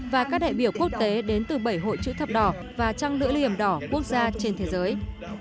và các đại biểu quốc tế đến từ bảy hội chữ thập đỏ và trăng lưỡi liềm đỏ quốc gia trên thế giới